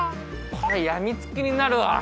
これやみつきになるわ！